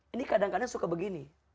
ini kadang kadang suka begini